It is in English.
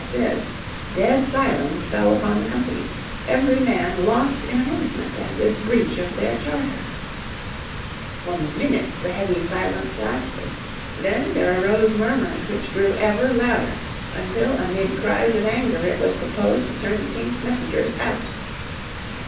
At this, dead silence fell upon the company, every man lost in amazement at this breach of their charter. For minutes the heavy silence lasted. Then there arose murmurs which grew ever louder until amid cries of anger it was proposed to turn the King's messengers out.